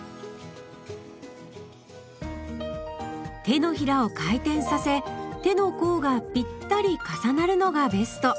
手のひらを回転させ手の甲がぴったり重なるのがベスト。